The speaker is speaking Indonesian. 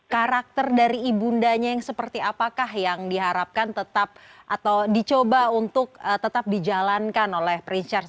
karakter dari ibundanya yang seperti apakah yang diharapkan tetap atau dicoba untuk tetap dijalankan oleh princharge